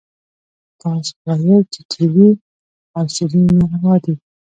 تاسو خو ويل چې ټي وي او سي ډي ناروا دي.